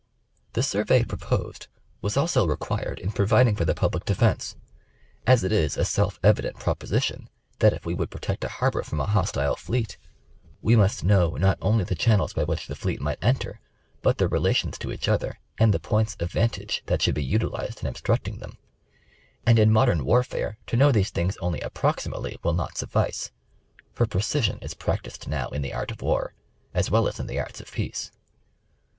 The survey proposed was also required in providing for the public defence ; as it is a self evident proposition, that if we would protect a harbor from a hostile fleet, we must know not 6 60 National Geographic Magazine. only the channels by which the fleet might enter, but their rela tions to each other and the points of vantage that should be utilized in obstructing them ; and in modern warfare to know these things only approximately will not suffice, for precision is practiced now in the art of war, as well as in the arts of peace.